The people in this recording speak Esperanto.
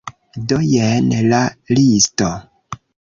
Do, jen la listo